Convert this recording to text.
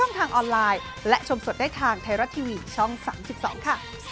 มันเชิงไทยรัก